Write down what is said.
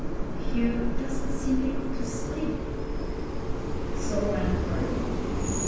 "... Hugh doesn't seem able to sleep." So ran part of it.